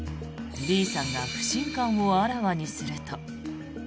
Ｂさんが不信感をあらわにすると。